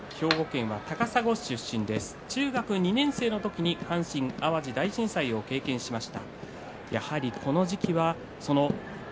妙義龍は兵庫県高砂市出身中学２年生の時に阪神・淡路大震災を経験しました。